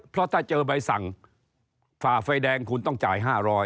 เพราะถ้าเจอใบสั่งฝ่าไฟแดงคุณต้องจ่าย๕๐๐